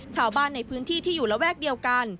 ชาวบ้านในพื้นที่ที่อยู่ระแวกเดียวกัน